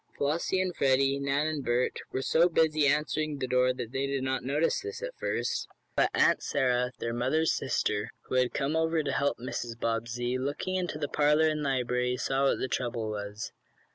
Flossie and Freddie, Nan and Bert, were so busy answering the door that they did not notice this at first. But Aunt Sarah, their mother's sister, who had come over to help Mrs. Bobbsey, looking in the parlor and library, saw what the trouble was.